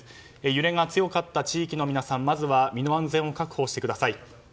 揺れが強かった地域の皆さんまずは身の安全を確保してください。